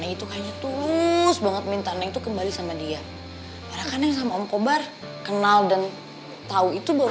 itu hanya terus banget minta neng kembali sama dia karena sama om kobar kenal dan tahu itu baru